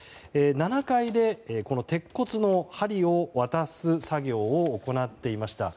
７階で鉄骨の梁を渡す作業を行っていました。